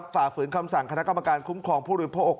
ฝากฝืนคำสั่งคณะกรรมการคุ้มครองผู้โดยโพธิออก